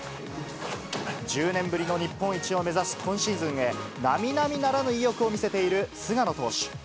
１０年ぶりの日本一を目指す今シーズンへ、なみなみならぬ意欲を見せている菅野投手。